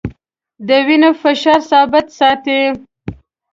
د وینې فشار ثابت ساتي.